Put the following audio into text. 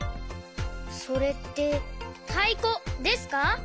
それってたいこですか？